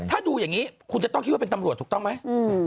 ถ้าดูอย่างนี้คุณจะต้องคิดว่าเป็นตำรวจถูกต้องไหม